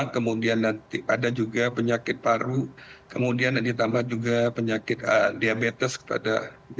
kemudian ada juga penyakit paru kemudian ditambah juga penyakit diabetes pada jemaah haji